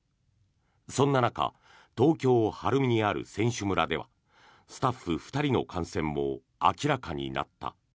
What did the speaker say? そんな中、東京・晴海にある選手村ではスタッフ２人の感染も明らかになった。